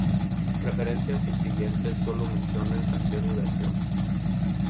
Referencias subsiguientes sólo mencionan canción y version.